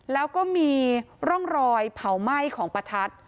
แล้วก็มีร่องรอยเผาไหม้ของประทัด